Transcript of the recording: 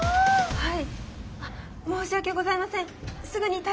はい。